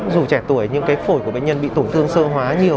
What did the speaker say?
dù trẻ tuổi nhưng cái phổi của bệnh nhân bị tổn thương sơ hóa nhiều